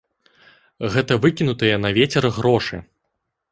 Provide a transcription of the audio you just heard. Гэта выкінутыя на вецер грошы.